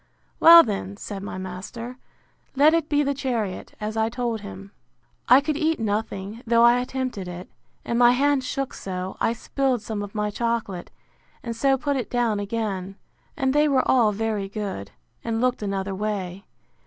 Well then, said my master, let it be the chariot, as I told him. I could eat nothing, though I attempted it; and my hand shook so, I spilled some of my chocolate, and so put it down again; and they were all very good, and looked another way.